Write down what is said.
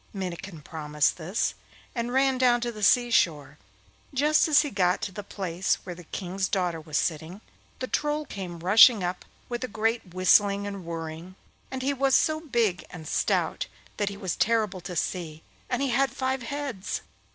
Minnikin promised this, and ran down to the sea shore. Just as he got to the place where the King's daughter was sitting, the Troll came rushing up with a great whistling and whirring, and he was so big and stout that he was terrible to see, and he had five heads.